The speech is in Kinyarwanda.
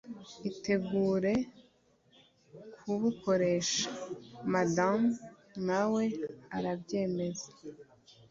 itegure kubukoresha!"madame nawe arabyemeza